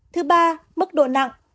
thứ ba mức độ nặng